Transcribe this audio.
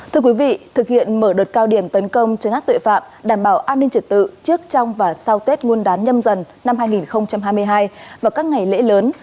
thưa quý vị thực hiện mở đợt cao điểm tấn công chấn áp tội phạm đảm bảo an ninh trật tự trước trong và sau tết nguyên đán nhâm dần năm hai nghìn hai mươi hai và các ngày lễ lớn